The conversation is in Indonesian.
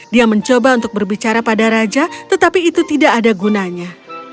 dia mencoba untuk berbicara pada raja tetapi itu tidak ada gunanya